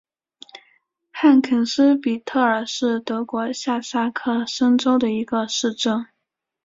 汉肯斯比特尔是德国下萨克森州的一个市镇。